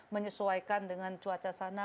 menyesuaikan dengan cuaca sana